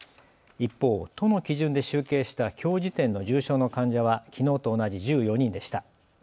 一方、都の基準で集計したきょう時点の重症の患者はきのうと同じ１４人でした。